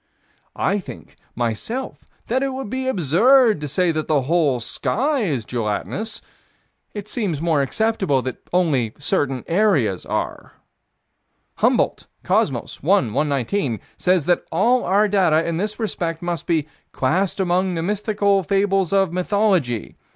I think, myself, that it would be absurd to say that the whole sky is gelatinous: it seems more acceptable that only certain areas are. Humboldt (Cosmos, 1 119) says that all our data in this respect must be "classed amongst the mythical fables of mythology."